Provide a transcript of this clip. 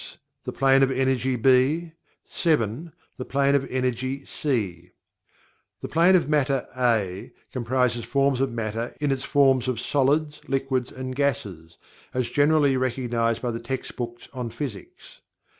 The Plane of Energy (B) 7. The Plane of Energy (C) The Plane of Matter (A) comprises the forms of Matter in its form of solids, liquids, and gases, as generally recognized by the text books on physics.